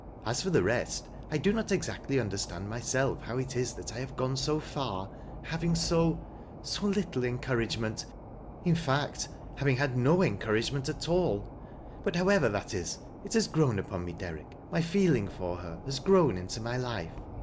As for the rest, I do not exactly understand myself how it is that I have gone so far, having so — so little encouragement— in fact having had no encouragement at all ; bit, however that Lb, it has grown upon me. Derrick, — my feeling for her has grown into my life.